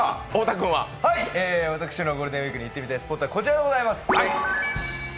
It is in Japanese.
私のゴールデンウイークに行ってみたいスポットはこちらでございます。